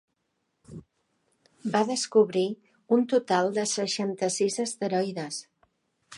Va descobrir un total de seixanta-sis asteroides.